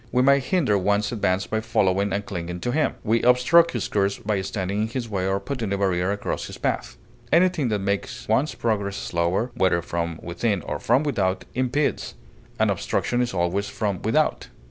We may hinder one's advance by following and clinging to him; we obstruct his course by standing in his way or putting a barrier across his path. Anything that makes one's progress slower, whether from within or from without, impedes; an obstruction is always from without.